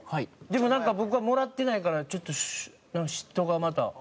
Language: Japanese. でもなんか僕はもらってないからちょっと嫉妬がまた。